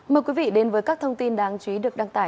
mời quý vị đến với các thông tin đáng chú ý được đăng tải